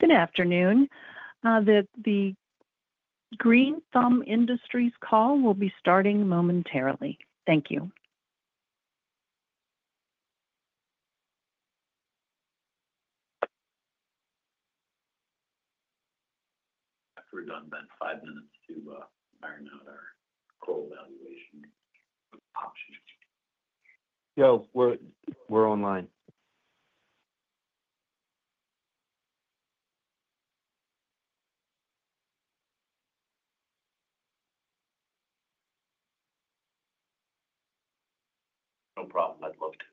Good afternoon. The Green Thumb Industries call will be starting momentarily. Thank you. I've got about five minutes to iron out our co-evaluation options. Yeah, we're online. No problem. I'd love to.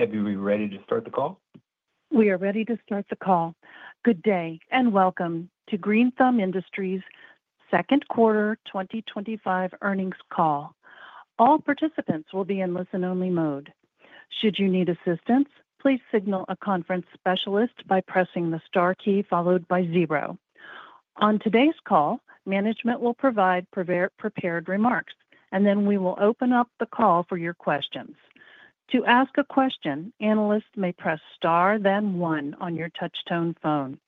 Okay, we're ready to start the call. We are ready to start the call. Good day and welcome to Green Thumb Industries' second quarter 2025 earnings call. All participants will be in listen-only mode. Should you need assistance, please signal a conference specialist by pressing the star key followed by zero. On today's call, management will provide prepared remarks, then we will open up the call for your questions. To ask a question, analysts may press star, then one on your touch-tone phone.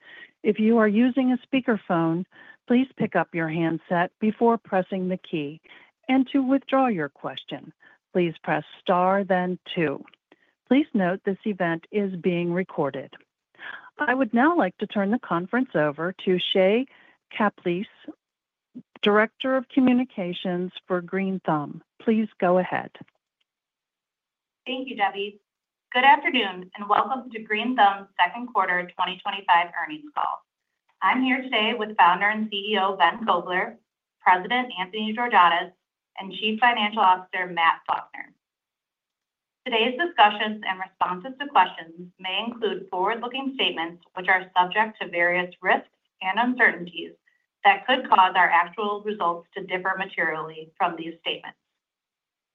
If you are using a speaker phone, please pick up your handset before pressing the key. To withdraw your question, please press star, then two. Please note this event is being recorded. I would now like to turn the conference over to Shay Caplice, Director of Communications for Green Thumb. Please go ahead. Thank you, Debbie. Good afternoon and welcome to Green Thumb Industries' second quarter 2025 earnings call. I'm here today with Founder and CEO Ben Kovler, President Anthony Georgiadis, and Chief Financial Officer Matt Faulkner. Today's discussions and responses to questions may include forward-looking statements, which are subject to various risks and uncertainties that could cause our actual results to differ materially from these statements.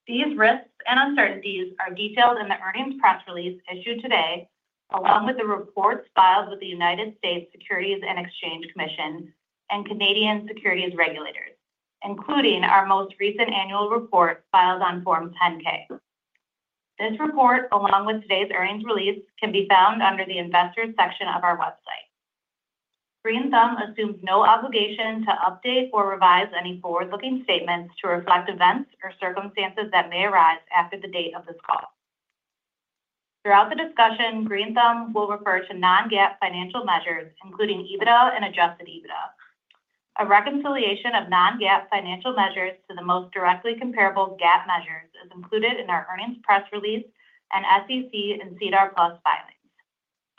These risks and uncertainties are detailed in the earnings press release issued today, along with the reports filed with the U.S. Securities and Exchange Commission and Canadian securities regulators, including our most recent annual report filed on Form 10-K. This report, along with today's earnings release, can be found under the Investors section of our website. Green Thumb Industries assumes no obligation to update or revise any forward-looking statements to reflect events or circumstances that may arise after the date of this call. Throughout the discussion, Green Thumb Industries will refer to non-GAAP financial measures, including EBITDA and adjusted EBITDA. A reconciliation of non-GAAP financial measures to the most directly comparable GAAP measures is included in our earnings press release and SEC and CDAR Plus filings.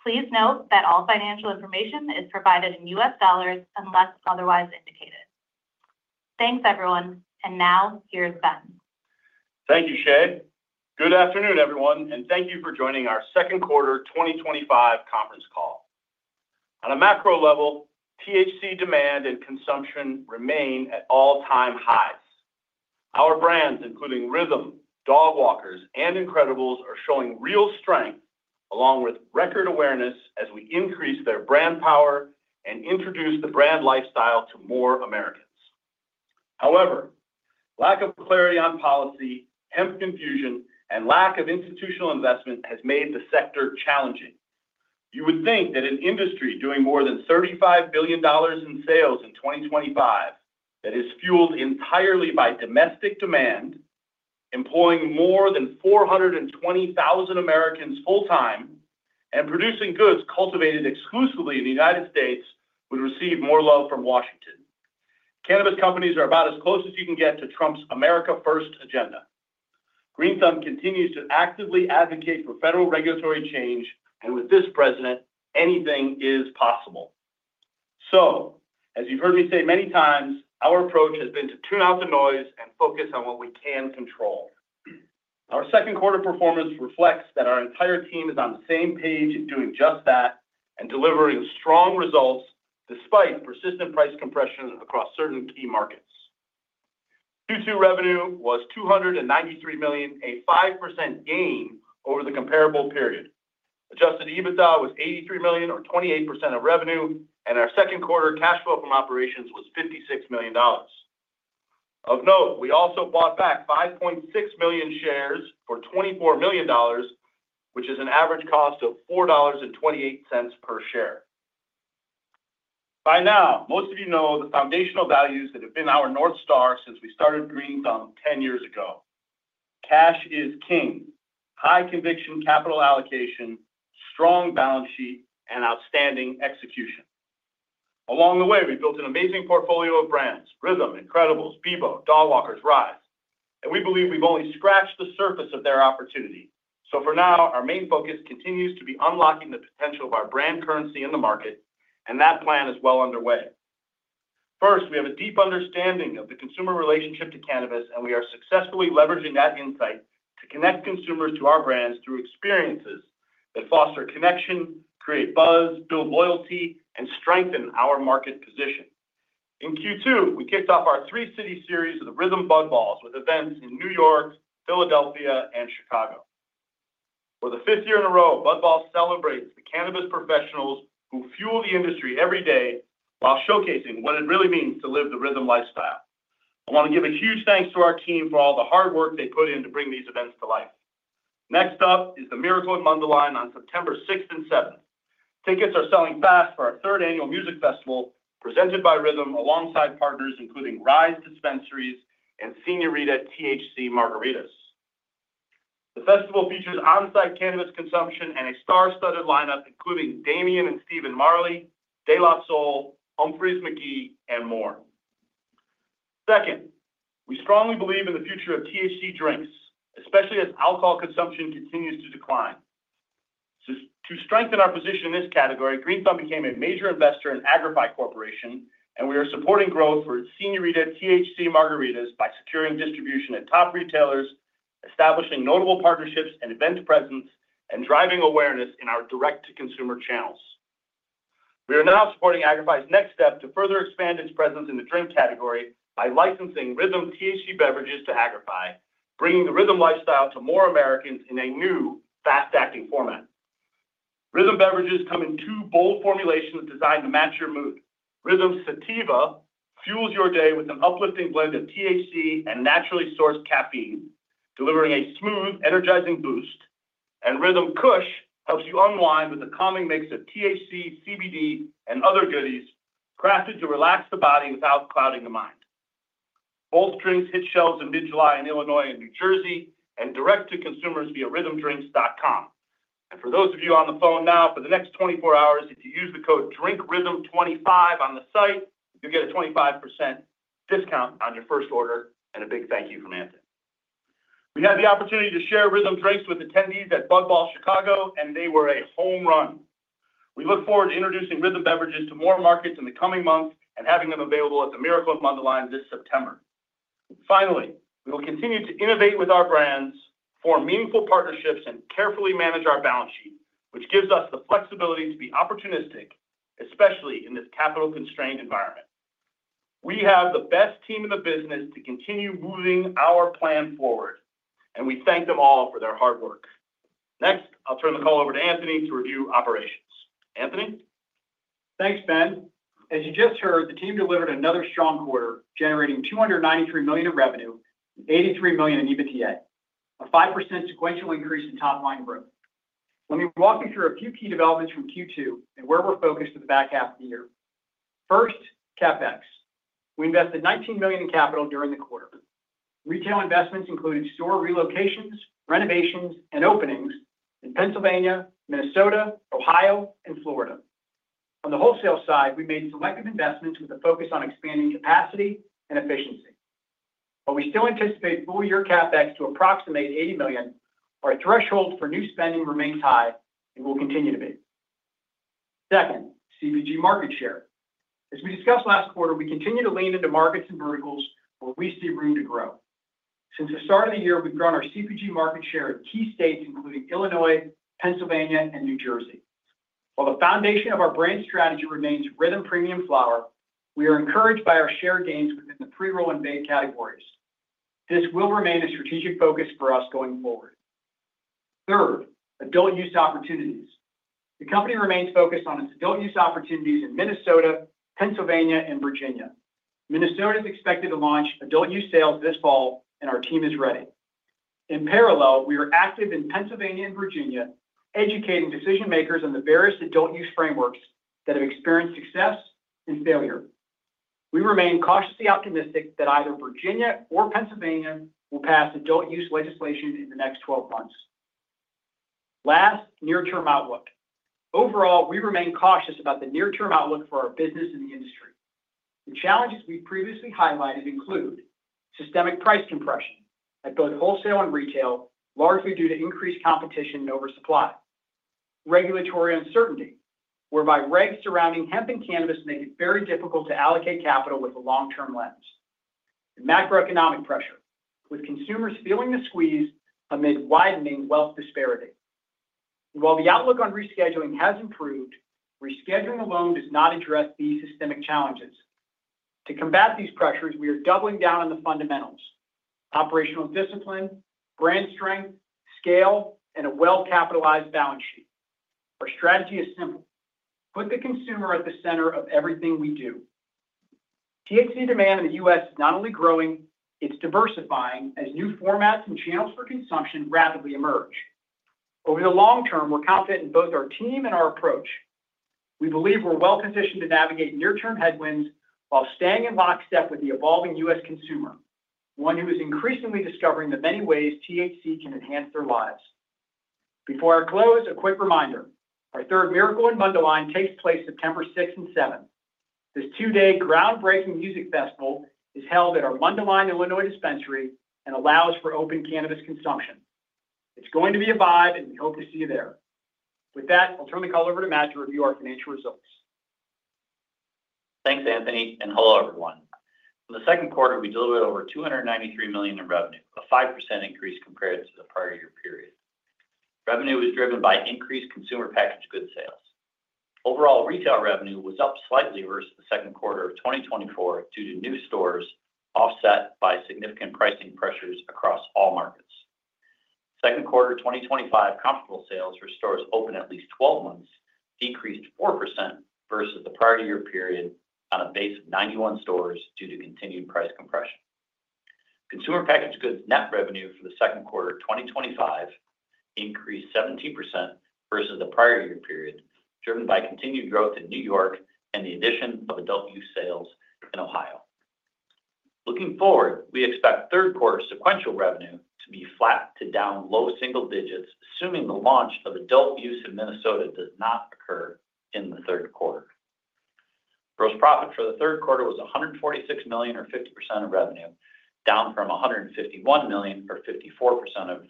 Please note that all financial information is provided in U.S. dollars unless otherwise indicated. Thanks, everyone. Now, here's Ben. Thank you, Shay. Good afternoon, everyone, and thank you for joining our second quarter 2025 conference call. On a macro level, THC demand and consumption remain at all-time highs. Our brands, including RYTHM, Dogwalkers, and Incredibles, are showing real strength along with record awareness as we increase their brand power and introduce the brand lifestyle to more Americans. However, lack of clarity on policy, hemp confusion, and lack of institutional investment has made the sector challenging. You would think that an industry doing more than $35 billion in sales in 2025, that is fueled entirely by domestic demand, employing more than 420,000 Americans full-time, and producing goods cultivated exclusively in the United States, would receive more love from Washington. Cannabis companies are about as close as you can get to Trump's America First agenda. Green Thumb continues to actively advocate for federal regulatory change, and with this president, anything is possible. As you've heard me say many times, our approach has been to tune out the noise and focus on what we can control. Our second quarter performance reflects that our entire team is on the same page doing just that and delivering strong results despite persistent price compression across certain key markets. Q2 revenue was $293 million, a 5% gain over the comparable period. Adjusted EBITDA was $83 million, or 28% of revenue, and our second quarter cash flow from operations was $56 million. Of note, we also bought back 5.6 million shares for $24 million, which is an average cost of $4.28 per share. By now, most of you know the foundational values that have been our North Star since we started Green Thumb 10 years ago. Cash is king, high conviction capital allocation, strong balance sheet, and outstanding execution. Along the way, we built an amazing portfolio of brands: RYTHM, Incredibles, Bevo, Dogwalkers, Ryze. We believe we've only scratched the surface of their opportunity. For now, our main focus continues to be unlocking the potential of our brand currency in the market, and that plan is well underway. First, we have a deep understanding of the consumer relationship to cannabis, and we are successfully leveraging that insight to connect consumers to our brands through experiences that foster connection, create buzz, build loyalty, and strengthen our market position. In Q2, we kicked off our three-city series of the RYTHM Bud Balls, with events in New York, Philadelphia, and Chicago. For the fifth year in a row, Bud Balls celebrate the cannabis professionals who fuel the industry every day while showcasing what it really means to live the RYTHM lifestyle. I want to give a huge thanks to our team for all the hard work they put in to bring these events to life. Next up is the Miracle in Mundelein on September 6th and 7th. Tickets are selling fast for our third annual music festival, presented by RYTHM alongside partners including Ryze Dispensaries and Seniorita THC Margaritas. The festival features on-site cannabis consumption and a star-studded lineup, including Damien and Stephen Marley, De La Soul, Humphreys McGee, and more. Second, we strongly believe in the future of THC drinks, especially as alcohol consumption continues to decline. To strengthen our position in this category, Green Thumb became a major investor in AgriPi Corporation, and we are supporting growth for Seniorita THC Margaritas by securing distribution at top retailers, establishing notable partnerships and event presence, and driving awareness in our direct-to-consumer channels. We are now supporting AgriPi's next step to further expand its presence in the drink category by licensing RYTHM THC beverages to AgriPi, bringing the RYTHM lifestyle to more Americans in a new fast-acting format. RYTHM beverages come in two bold formulations designed to match your mood. RYTHM Sativa fuels your day with an uplifting blend of THC and naturally sourced caffeine, delivering a smooth, energizing boost. RYTHM Kush helps you unwind with a calming mix of THC, CBD, and other goodies, crafted to relax the body without clouding the mind. Both drinks hit shelves in mid-July in Illinois and New Jersey, and direct to consumers via RYTHMDrinks.com. For those of you on the phone now, for the next 24 hours, if you use the code DRINKRYTHM25 on the site, you get a 25% discount on your first order and a big thank you from Anthony. We had the opportunity to share RYTHM Drinks with attendees at Bud Balls Chicago, and they were a home run. We look forward to introducing RYTHM beverages to more markets in the coming month and having them available at the Miracle in Mundelein this September. Finally, we will continue to innovate with our brands, form meaningful partnerships, and carefully manage our balance sheet, which gives us the flexibility to be opportunistic, especially in this capital-constrained environment. We have the best team in the business to continue moving our plan forward, and we thank them all for their hard work. Next, I'll turn the call over to Anthony to review operations. Anthony? Thanks, Ben. As you just heard, the team delivered another strong quarter, generating $293 million in revenue, $83 million in EBITDA, a 5% sequential increase in top-line growth. Let me walk you through a few key developments from Q2 and where we're focused for the back half of the year. First, CapEx: we invested $19 million in capital during the quarter. Retail investments included store relocations, renovations, and openings in Pennsylvania, Minnesota, Ohio, and Florida. On the wholesale side, we made selective investments with a focus on expanding capacity and efficiency. While we still anticipate full-year CapEx to approximate $80 million, our threshold for new spending remains high and will continue to be. Second, CPG market share. As we discussed last quarter, we continue to lean into markets and verticals where we see a reason to grow. Since the start of the year, we've grown our CPG market share at key stages including Illinois, Pennsylvania, and New Jersey. While the foundation of our brand strategy remains RYTHM Premium Flower, we are encouraged by our share gains within the pre-roll-in-based categories. This will remain a strategic focus for us going forward. Third, adult use opportunities. The company remains focused on its adult use opportunities in Minnesota, Pennsylvania, and Virginia. Minnesota is expected to launch adult use sales this fall, and our team is ready. In parallel, we are active in Pennsylvania and Virginia, educating decision-makers on the various adult use frameworks that have experienced success and failure. We remain cautiously optimistic that either Virginia or Pennsylvania will pass adult use legislation in the next 12 months. Last, near-term outlook. Overall, we remain cautious about the near-term outlook for our business in the industry. The challenges we previously highlighted include systemic price compression at both wholesale and retail, largely due to increased competition and oversupply, regulatory uncertainty, whereby regs surrounding hemp and cannabis make it very difficult to allocate capital with a long-term lens, and macroeconomic pressure, with consumers feeling the squeeze amid widening wealth disparity. While the outlook on rescheduling has improved, rescheduling alone does not address these systemic challenges. To combat these pressures, we are doubling down on the fundamentals: operational discipline, brand strength, scale, and a well-capitalized balance sheet. Our strategy is simple: put the consumer at the center of everything we do. THC demand in the U.S. is not only growing, it's diversifying as new formats and channels for consumption rapidly emerge. Over the long term, we're confident in both our team and our approach. We believe we're well-positioned to navigate near-term headwinds while staying in lockstep with the evolving U.S. consumer, one who is increasingly discovering the many ways THC can enhance their lives. Before I close, a quick reminder: our third Miracle in Mundelein takes place September 6 and 7. This two-day groundbreaking music festival is held at our Mundelein, Illinois dispensary and allows for open cannabis consumption. It's going to be a vibe, and we hope to see you there. With that, I'll turn the call over to Matt to review our financial results. Thanks, Anthony, and hello, everyone. In the second quarter, we delivered over $293 million in revenue, a 5% increase compared to the prior year period. Revenue was driven by increased consumer packaged goods sales. Overall, retail revenue was up slightly versus the second quarter of 2024 due to new stores offset by significant pricing pressures across all markets. Second quarter 2025 comparable sales for stores open at least 12 months decreased 4% versus the prior year period on a base of 91 stores due to continued price compression. Consumer packaged goods net revenue for the second quarter 2025 increased 17% versus the prior year period, driven by continued growth in New York and the addition of adult use sales in Ohio. Looking forward, we expect third quarter sequential revenue to be flat to down low single digits, assuming the launch of adult use in Minnesota does not occur in the third quarter. Gross profit for the third quarter was $146 million, or 50% of revenue, down from $151 million, or 54% of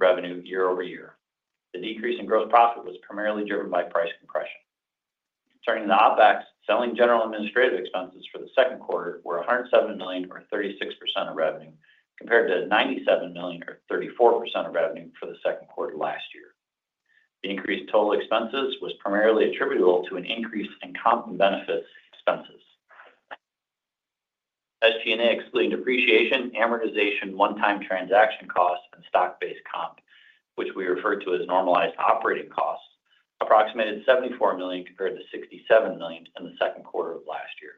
revenue year over year. The decrease in gross profit was primarily driven by price compression. Turning to OpEx, selling, general, and administrative expenses for the second quarter were $107 million, or 36% of revenue, compared to $97 million, or 34% of revenue for the second quarter last year. The increased total expenses was primarily attributable to an increase in comp and benefits expenses. SG&A, excluding depreciation, amortization, one-time transaction costs, and stock-based comp, which we refer to as normalized operating costs, approximated $74 million compared to $67 million in the second quarter of last year.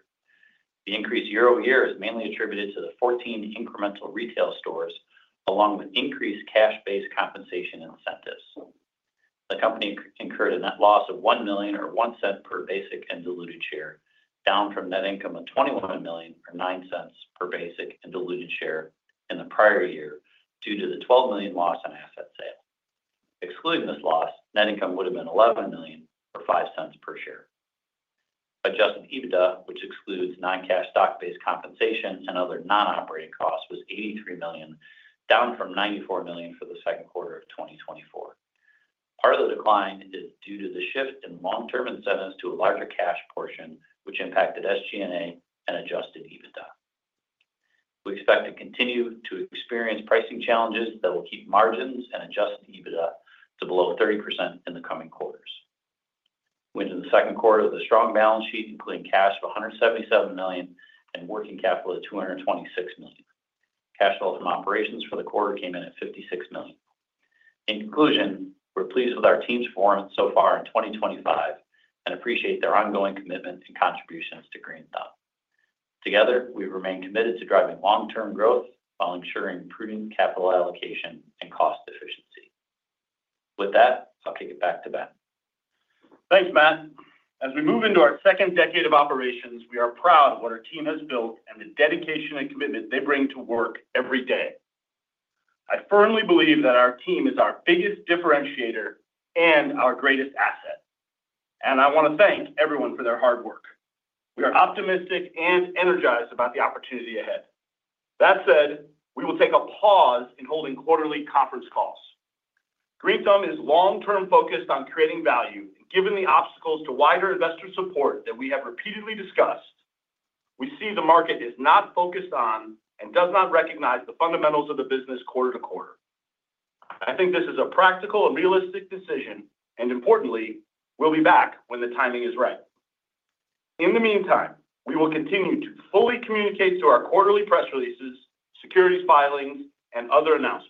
The increase year over year is mainly attributed to the 14 incremental retail stores, along with increased cash-based compensation incentives. The company incurred a net loss of $1 million, or $0.01 per basic and diluted share, down from net income of $21 million, or $0.09 per basic and diluted share in the prior year due to the $12 million loss in asset sale. Excluding this loss, net income would have been $11 million, or $0.05 per share. Adjusted EBITDA, which excludes non-cash stock-based compensation and other non-operating costs, was $83 million, down from $94 million for the second quarter of 2024. Part of the decline is due to the shift in long-term incentives to a larger cash portion, which impacted SG&A and adjusted EBITDA. We expect to continue to experience pricing challenges that will keep margins and adjusted EBITDA to below 30% in the coming quarters. We entered the second quarter with a strong balance sheet, including cash of $177 million and working capital of $226 million. Cash flow from operations for the quarter came in at $56 million. In conclusion, we're pleased with our team's performance so far in 2025 and appreciate their ongoing commitment and contributions to Green Thumb. Together, we remain committed to driving long-term growth while ensuring prudent capital allocation and cost efficiency. With that, I'll kick it back to Ben. Thanks, Matt. As we move into our second decade of operations, we are proud of what our team has built and the dedication and commitment they bring to work every day. I firmly believe that our team is our biggest differentiator and our greatest asset. I want to thank everyone for their hard work. We are optimistic and energized about the opportunity ahead. That said, we will take a pause in holding quarterly conference calls. Green Thumb is long-term focused on creating value, and given the obstacles to wider investor support that we have repeatedly discussed, we see the market is not focused on and does not recognize the fundamentals of the business quarter to quarter. I think this is a practical and realistic decision, and importantly, we'll be back when the timing is right. In the meantime, we will continue to fully communicate through our quarterly press releases, securities filings, and other announcements.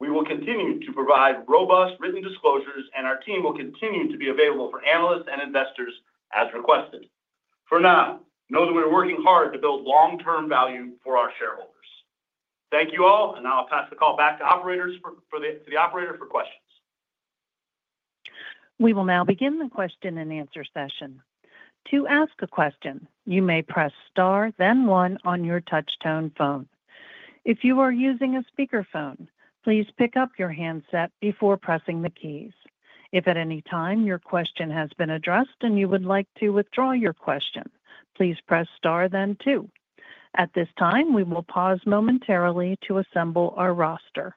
We will continue to provide robust written disclosures, and our team will continue to be available for analysts and investors as requested. For now, know that we're working hard to build long-term value for our shareholders. Thank you all, and now I'll pass the call back to the operator for questions. We will now begin the question and answer session. To ask a question, you may press star, then one on your touch-tone phone. If you are using a speaker phone, please pick up your handset before pressing the keys. If at any time your question has been addressed and you would like to withdraw your question, please press star, then two. At this time, we will pause momentarily to assemble our roster.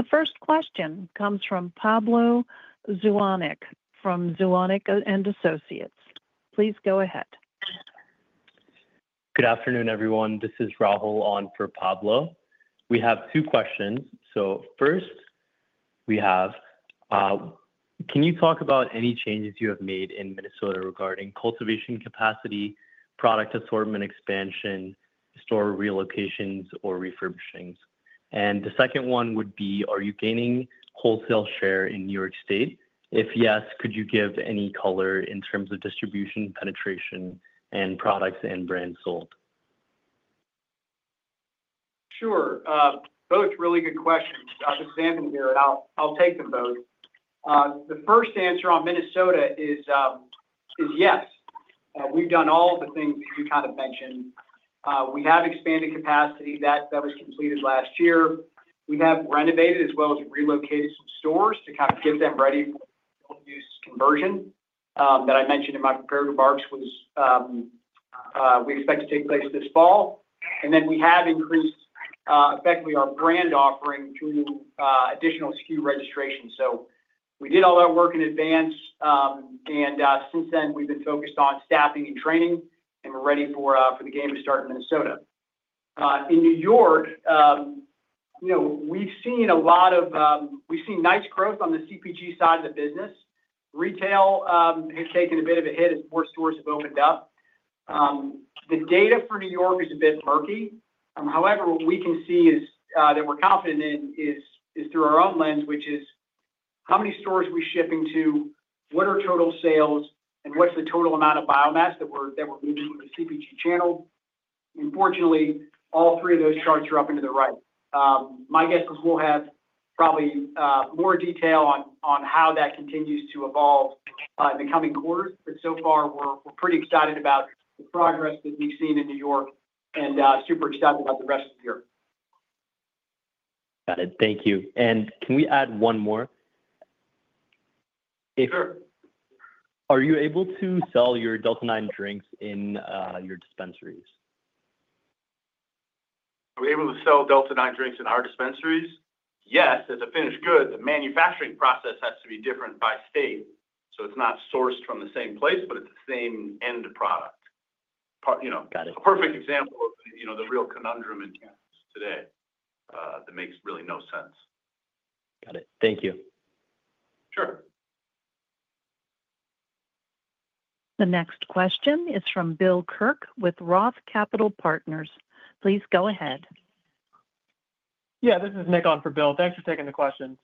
The first question comes from Pablo Zuanic from Zuanic & Associates. Please go ahead. Good afternoon, everyone. This is Rahul on for Pablo. We have two questions. First, can you talk about any changes you have made in Minnesota regarding cultivation capacity, product assortment expansion, store relocations, or refurbishings? The second one would be, are you gaining wholesale share in New York State? If yes, could you give any color in terms of distribution, penetration, and products and brands sold? Sure. Both really good questions. Dr. Sandin here, and I'll take them both. The first answer on Minnesota is yes. We've done all the things you kind of mentioned. We have expanded capacity that was completed last year. We have renovated as well as relocated some stores to kind of give them ready-to-use conversion that I mentioned in my prepared remarks was we expect to take place this fall. We have increased effectively our brand offering through additional SKU registration. We did all that work in advance. Since then, we've been focused on staffing and training, and we're ready for the game to start in Minnesota. In New York, you know we've seen a lot of, we've seen nice growth on the CPG side of the business. Retail has taken a bit of a hit as more stores have opened up. The data for New York is a bit murky. However, what we can see is that we're confident in is through our own lens, which is how many stores we ship into, what are total sales, and what's the total amount of biomass that we're needing with the CPG channel. Unfortunately, all three of those charts are up into the right. My guess is we'll have probably more detail on how that continues to evolve in the coming quarters. So far, we're pretty excited about the progress that we've seen in New York and super excited about the rest of the year. Got it. Thank you. Can we add one more? Are you able to sell your Delta 9 drinks in your dispensaries? Are we able to sell Delta 9 drinks in our dispensaries? Yes, as a finished good, the manufacturing process has to be different by state. It's not sourced from the same place, but it's the same end product. Got it. A perfect example of the real conundrum in today that makes really no sense. Got it. Thank you. Sure. The next question is from Bill Kirk with Roth Capital Partners. Please go ahead. Yeah, this is Nick on for Bill. Thanks for taking the questions.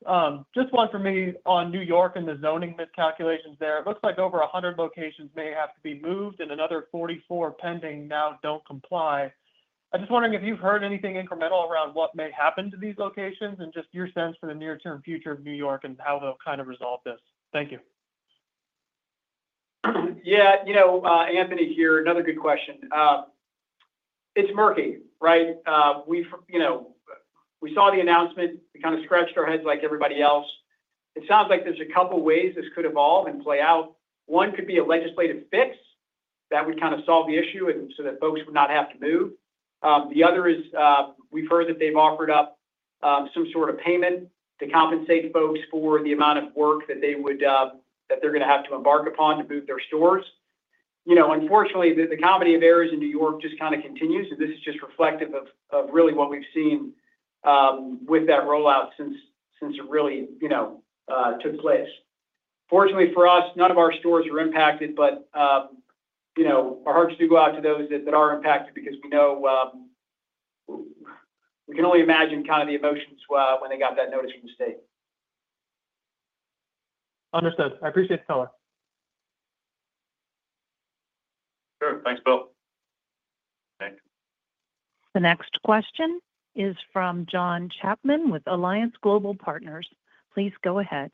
Just one for me on New York and the zoning miscalculations there. It looks like over 100 locations may have to be moved and another 44 pending now don't comply. I'm just wondering if you've heard anything incremental around what may happen to these locations, and just your sense for the near-term future of New York and how they'll kind of resolve this. Thank you. Yeah, you know, Anthony here, another good question. It's murky, right? We saw the announcement. We kind of scratched our heads like everybody else. It sounds like there's a couple of ways this could evolve and play out. One could be a legislative fix that would kind of solve the issue so that folks would not have to move. The other is we've heard that they've offered up some sort of payment to compensate folks for the amount of work that they're going to have to embark upon to move their stores. Unfortunately, the comedy of errors in New York just kind of continues. This is just reflective of really what we've seen with that rollout since it really, you know, took place. Fortunately for us, none of our stores were impacted, but our hearts do go out to those that are impacted because we know, you can only imagine kind of the emotions when they got that notice from the state. Understood. I appreciate the comment. Sure. Thanks, Bill. The next question is from John Chapman with Alliance Global Partners. Please go ahead.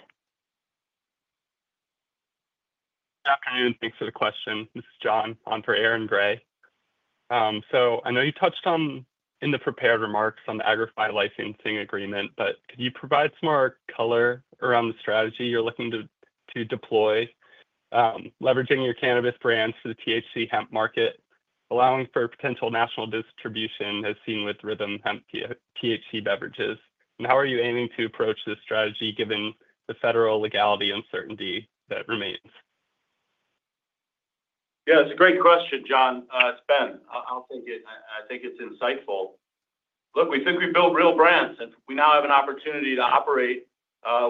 Afternoon. Thanks for the question. This is John on for Aaron Grey. I know you touched on in the prepared remarks on the AgriPi Corporation licensing agreement, but could you provide some more color around the strategy you're looking to deploy, leveraging your cannabis brands for the THC hemp market, allowing for potential national distribution as seen with RYTHM and THC beverages? How are you aiming to approach this strategy given the federal legality uncertainty that remains? Yeah, that's a great question, John. It's Ben. I think it's insightful. Look, we think we build real brands. We now have an opportunity to operate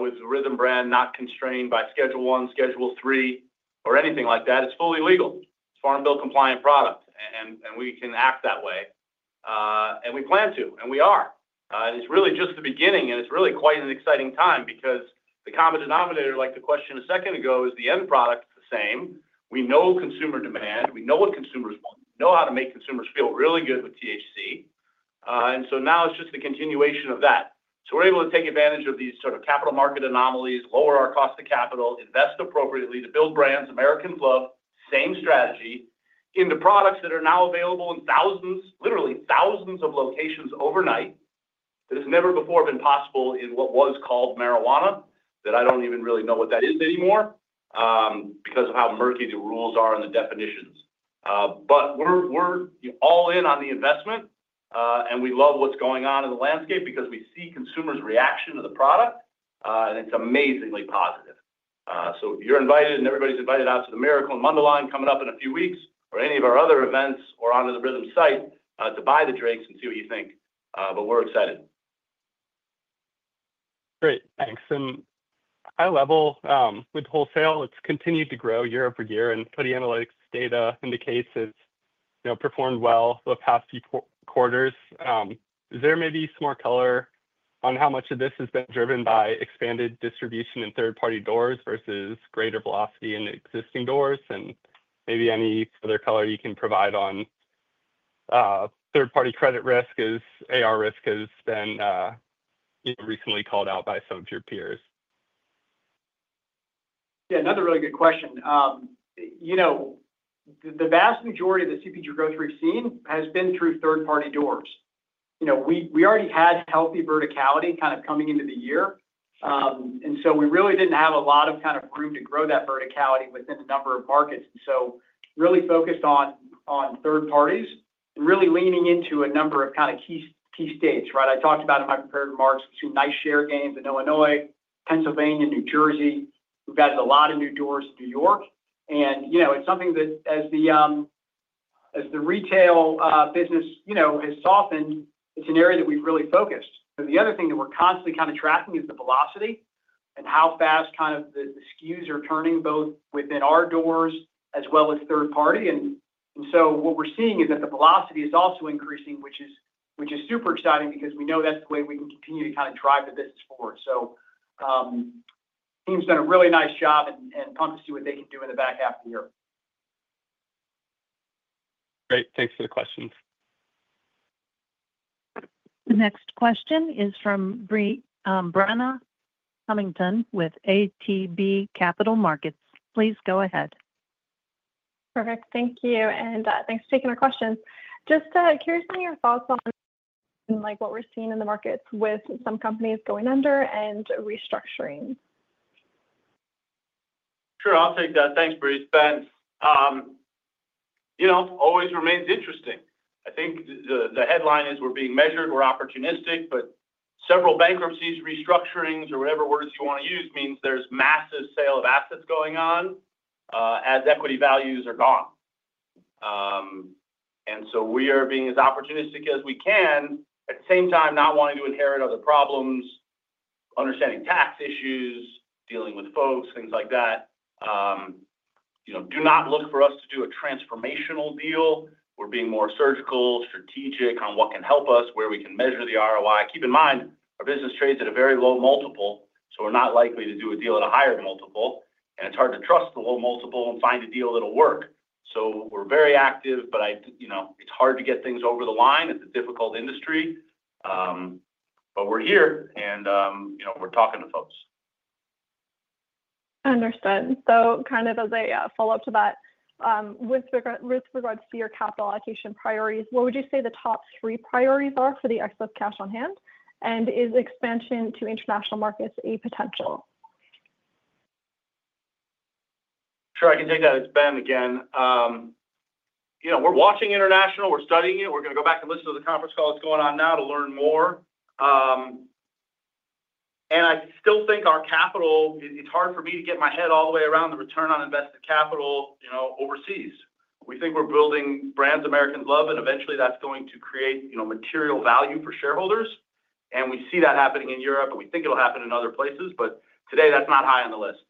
with the RYTHM brand not constrained by Schedule 1, Schedule 3, or anything like that. It's fully legal. It's Farm Bill compliant product, and we can act that way. We plan to, and we are. It's really just the beginning, and it's really quite an exciting time because the common denominator, like the question a second ago, is the end product is the same. We know consumer demand. We know what consumers want. We know how to make consumers feel really good with THC, and now it's just the continuation of that. We're able to take advantage of these sort of capital market anomalies, lower our cost of capital, invest appropriately to build brands Americans love, same strategy, into products that are now available in literally thousands of locations overnight. That has never before been possible in what was called marijuana, that I don't even really know what that is anymore, because of how murky the rules are and the definitions. We're all in on the investment, and we love what's going on in the landscape because we see consumers' reaction to the product, and it's amazingly positive. You're invited and everybody's invited out to the Miracle in Mundelein coming up in a few weeks, or any of our other events, or onto the RYTHM site to buy the drinks and see what you think. We're excited. Great. Thanks. At a high level, with wholesale, it's continued to grow year over year, and putting analytics data indicates it's performed well the past few quarters. Is there maybe some more color on how much of this has been driven by expanded distribution and third-party doors versus greater velocity in existing doors? Maybe any other color you can provide on third-party credit risk as AR risk has been recently called out by some of your peers? Yeah, another really good question. The vast majority of the CPG growth we've seen has been through third-party doors. We already had healthy verticality coming into the year, and we really didn't have a lot of room to grow that verticality within a number of markets. We really focused on third parties and really leaned into a number of key states, right? I talked about in my prepared remarks nice share gains in Illinois, Pennsylvania, and New Jersey. We've added a lot of new doors to New York, and it's something that as the retail business has softened, it's an area that we've really focused. The other thing that we're constantly tracking is the velocity and how fast the SKUs are turning both within our doors as well as third party. What we're seeing is that the velocity is also increasing, which is super exciting because we know that's the way we can continue to drive the business forward. The team's done a really nice job and promised to do what they can do in the back half of the year. Great. Thanks for the questions. The next question is from Brenna Cunnington with ATB Capital Markets. Please go ahead. Perfect. Thank you. Thank you for taking our questions. Just curious on your thoughts on what we're seeing in the markets with some companies going under and restructuring. Sure. I'll take that. Thanks, Bree. It's Ben. You know, it always remains interesting. I think the headline is we're being measured, we're opportunistic, but several bankruptcies, restructurings, or whatever words you want to use means there's massive sale of assets going on as equity values are gone. We are being as opportunistic as we can, at the same time not wanting to inherit other problems, understanding tax issues, dealing with folks, things like that. Do not look for us to do a transformational deal. We're being more surgical, strategic on what can help us, where we can measure the ROI. Keep in mind, our business trades at a very low multiple, so we're not likely to do a deal at a higher multiple. It's hard to trust the low multiple and find a deal that'll work. We're very active, but it's hard to get things over the line. It's a difficult industry. We're here, and we're talking to folks. Understood. Kind of as a follow-up to that, with regards to your capital allocation priorities, what would you say the top three priorities are for the excess cash on hand? Is expansion to international markets a potential? Sure. I can take that as Ben again. We're watching international. We're studying it. We're going to go back and listen to the conference call that's going on now to learn more. I still think our capital, it's hard for me to get my head all the way around the return on invested capital overseas. We think we're building brands Americans love, and eventually, that's going to create material value for shareholders. We see that happening in Europe, and we think it'll happen in other places. Today, that's not high on the list.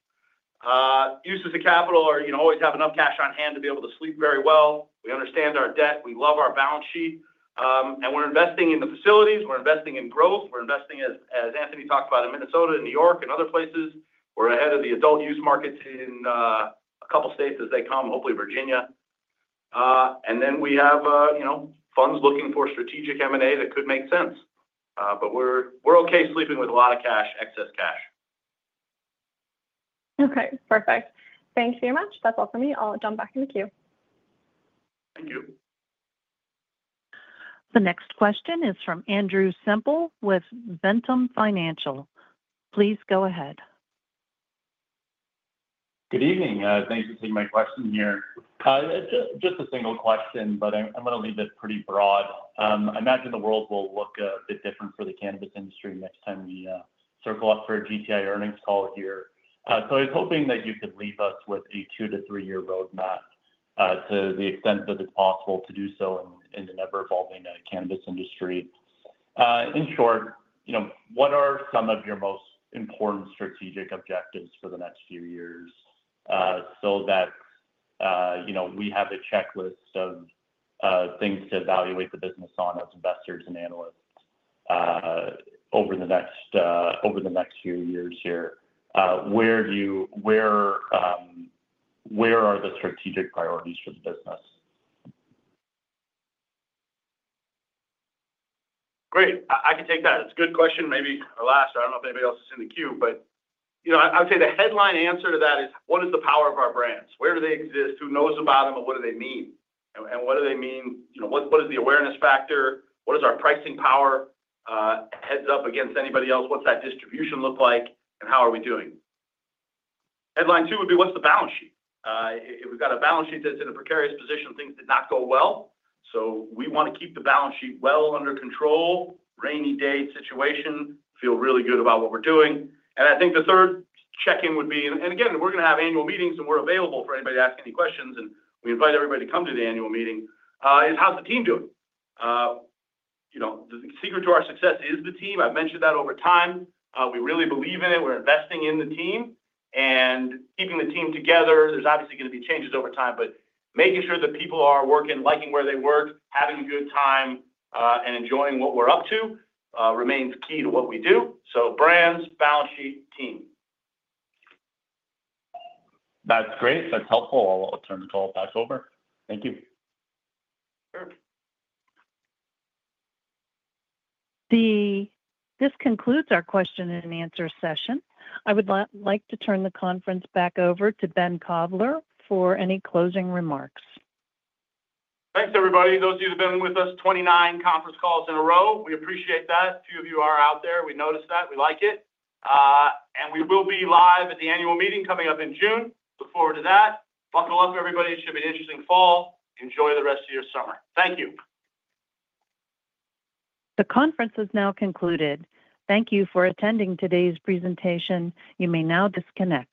Uses of capital are always have enough cash on hand to be able to sleep very well. We understand our debt. We love our balance sheet. We're investing in the facilities. We're investing in growth. We're investing, as Anthony Georgiadis talked about, in Minnesota and New York and other places. We're ahead of the adult-use markets in a couple of states as they come, hopefully Virginia. We have funds looking for strategic M&A that could make sense. We're okay sleeping with a lot of cash, excess cash. Okay. Perfect. Thank you very much. That's all for me. I'll jump back in the queue. Thank you. The next question is from Andrew Semple with Ventum Financial. Please go ahead. Good evening. Thanks for taking my question here. Hi. Just a single question, but I'm going to leave it pretty broad. I imagine the world will look a bit different for the cannabis industry next time we circle up for a Green Thumb Industries earnings call here. I was hoping that you could leave us with a two to three-year roadmap to the extent that it's possible to do so in the ever-evolving cannabis industry. In short, what are some of your most important strategic objectives for the next few years so that we have a checklist of things to evaluate the business on as investors and analysts over the next few years here? Where are the strategic priorities for the business? Great. I can take that. It's a good question. Maybe the last. I don't know if anybody else is in the queue, but I would say the headline answer to that is, what is the power of our brands? Where do they exist? Who knows about them, and what do they mean? What is the awareness factor? What is our pricing power? Heads up against anybody else. What's that distribution look like? How are we doing? Headline two would be, what's the balance sheet? If we've got a balance sheet that's in a precarious position, things did not go well. We want to keep the balance sheet well under control, rainy day situation, feel really good about what we're doing. I think the third check-in would be, we're going to have annual meetings, and we're available for anybody to ask any questions, and we invite everybody to come to the annual meeting, is how's the team doing? The secret to our success is the team. I've mentioned that over time. We really believe in it. We're investing in the team. Keeping the team together, there's obviously going to be changes over time, but making sure that people are working, liking where they work, having a good time, and enjoying what we're up to remains key to what we do. Brands, balance sheet, team. That's great. That's helpful. I'll turn the call back over. Thank you. This concludes our question and answer session. I would like to turn the conference back over to Ben Kovler for any closing remarks. Thanks, everybody. Those of you that have been with us 29 conference calls in a row, we appreciate that. A few of you are out there. We noticed that. We like it. We will be live at the annual meeting coming up in June. Look forward to that. Buckle up, everybody. It should be an interesting fall. Enjoy the rest of your summer. Thank you. The conference is now concluded. Thank you for attending today's presentation. You may now disconnect.